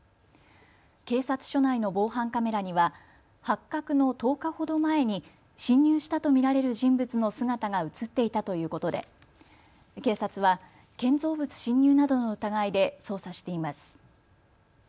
警察署内の防犯カメラには発覚の１０日ほど前に侵入したと見られる人物の姿が写っていたということで警察は建造物侵入などの疑いで捜査しています。